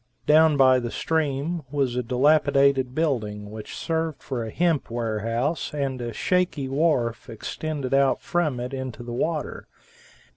Down by the stream was a dilapidated building which served for a hemp warehouse, and a shaky wharf extended out from it, into the water.